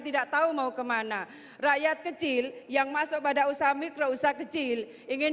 tidak tahu mau kemana rakyat kecil yang masuk pada usaha mikro usaha kecil ingin